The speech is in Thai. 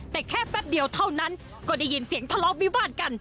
แต่แค่แป๊บเดียวเท่านั้นก็ได้ยินเสียงทะเลาะวิวาดกัน